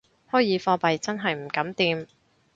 虛擬貨幣真係唔敢掂